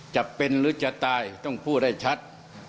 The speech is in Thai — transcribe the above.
จะเป็นหรือจะตายต้องพูดให้ชัด